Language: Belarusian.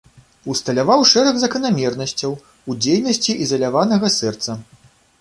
Усталяваў шэраг заканамернасцяў у дзейнасці ізаляванага сэрца.